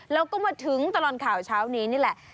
แล้วก็มาถึงตลอดข่าวเช้านี้นี่แหละ